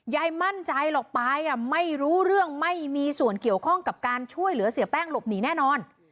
ยายมั่นใจหรอกปายไม่รู้เรื่องไม่มีส่วนเกี่ยวข้องกับการช่วยเหลือเสียแป้งหลบหนีแน่นอน